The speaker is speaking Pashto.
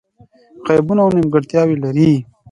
عیبونه او نیمګړتیاوې لري.